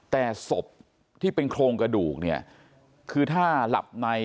แต่ศพที่เป็นโครงกระดูกเนี่ยคือถ้าหลับใน